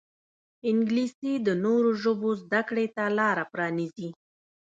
انګلیسي د نورو ژبو زده کړې ته لاره پرانیزي